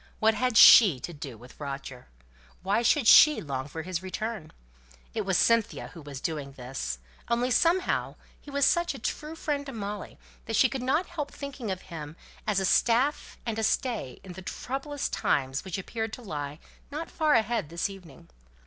What had she to do with Roger? Why should she long for his return? It was Cynthia who was doing this; only somehow he was such a true friend to Molly, that she could not help thinking of him as a staff and a stay in the troublous times which appeared to lie not far ahead this evening.